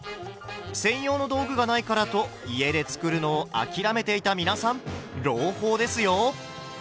専用の道具がないからと家で作るのを諦めていた皆さん朗報ですよ！